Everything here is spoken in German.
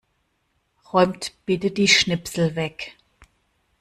Räumt bitte die Schnipsel weg.